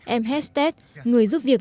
em hestet người giúp việc